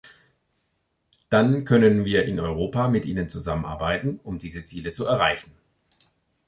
Dann können wir in Europa mit Ihnen zusammenarbeiten, um diese Ziele zu erreichen.